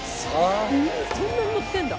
そんなにのってんだ！